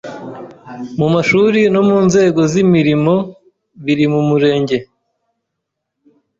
Mu mashuri no mu nzego z’imirimo biri mu Murenge.